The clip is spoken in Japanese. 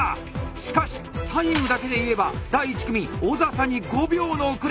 しかしタイムだけで言えば第１組小佐々に５秒の遅れ！